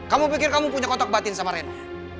kamu pikir kamu punya kotak batin sama rena